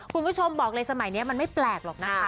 คุณผู้ชมบอกเลยสมัยนี้มันไม่แปลกหรอกนะคะ